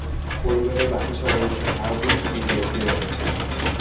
পরিবারের বাকি সবাই ভারতেই থেকে গিয়েছিলেন।